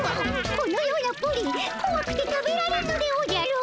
このようなプリンこわくて食べられぬでおじゃる。